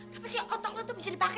tapi sih otak lu tuh bisa dipakai